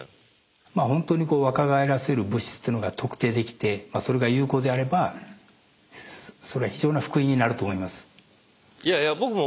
まあほんとにこう若返らせる物質ってのが特定できてそれが有効であればそれは非常な福音になると思います。